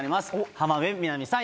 浜辺美波さん